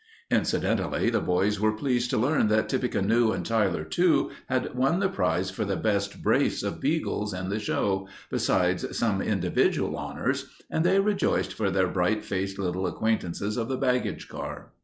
Incidentally the boys were pleased to learn that Tippecanoe and Tyler Too had won the prize for the best brace of beagles in the show, besides some individual honors, and they rejoiced for their bright faced little acquaintances of the baggage car.